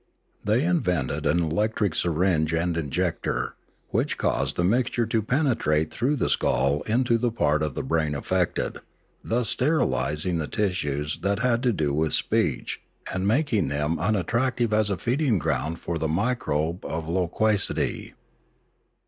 They invented an electric syringe and injector, which 396 Limanora caused the mixture to penetrate through the skull into the part of the brain affected, thus sterilising the tissues that had to do with speech and making them unattrac tive as a feeding ground for the microbe of loquacity.